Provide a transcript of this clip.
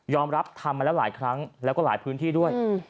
รับทำมาแล้วหลายครั้งแล้วก็หลายพื้นที่ด้วย